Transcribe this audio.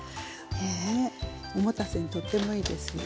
お持たせにとってもいいですよ。いいですね。